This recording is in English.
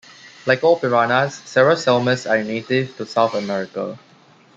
Like all piranhas, "Serrasalmus" are native to South America.